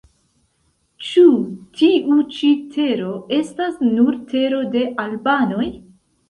Ĉu tiu ĉi tero estas nur tero de albanoj?